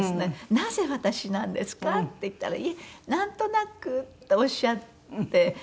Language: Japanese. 「なぜ私なんですか？」って言ったら「いやなんとなく」っておっしゃって。